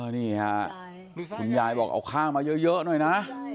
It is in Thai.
นี่ค่ะคุณยายบอกเอาข้าวมาเยอะหน่อยนะ